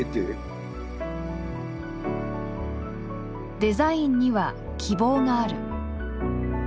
「デザインには希望がある」。